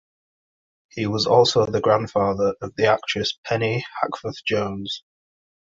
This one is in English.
He was also the grandfather of the actress Penne Hackforth-Jones.